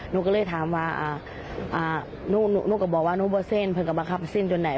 นุ๊กก็เลยถามว่านุ๊กก็บอกว่านุ๊กบอกว่าเส้นเพิ่งกำลังขับสิ้นจนไหน